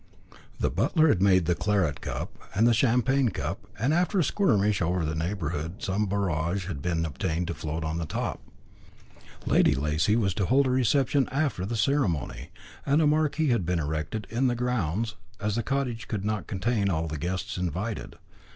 The butler had made the claret cup and the champagne cup, and after a skirmish over the neighbourhood some borage had been obtained to float on the top. Lady Lacy was to hold a reception after the ceremony, and a marquee had been erected in the grounds, as the cottage could not contain all the guests invited.